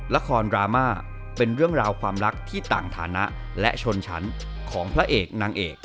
ดราม่าเป็นเรื่องราวความรักที่ต่างฐานะและชนชั้นของพระเอกนางเอก